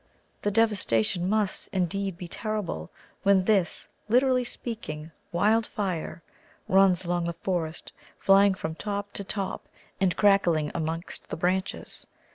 The devastation must, indeed, be terrible, when this, literally speaking, wildfire, runs along the forest, flying from top to top, and crackling amongst the branches.